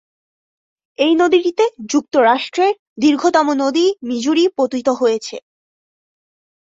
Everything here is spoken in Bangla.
এই নদীটিতে যুক্তরাষ্ট্রের দীর্ঘতম নদী মিজুরি পতিত হয়েছে।